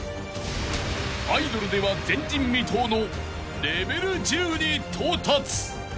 ［アイドルでは前人未到のレベル１０に到達］